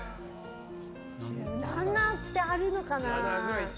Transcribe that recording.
７ってあるのかな。